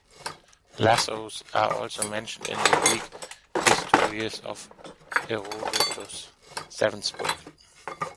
Lassoes are also mentioned in the Greek "Histories" of Herodotus; seventh book.